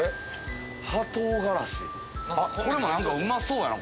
これも何かうまそうやな